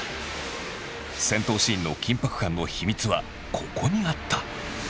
戦闘シーンの緊迫感の秘密はここにあった。